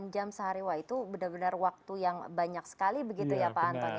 delapan jam sehari itu benar benar waktu yang banyak sekali begitu ya pak antoni